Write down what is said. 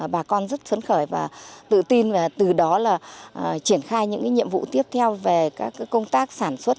bà con rất phấn khởi và tự tin và từ đó là triển khai những nhiệm vụ tiếp theo về các công tác sản xuất